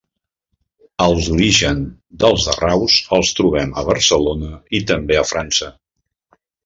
Els orígens dels Arraus els trobem a Barcelona i, també a França.